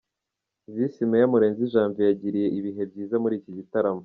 Visi Meya Murenzi Janvier yagiriye ibihe byiza muri iki gitaramo.